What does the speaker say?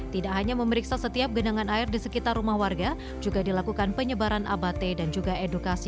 tidak hanya memeriksa setiap genangan air di sekitar rumah warga juga dilakukan penyebaran abate dan juga edukasi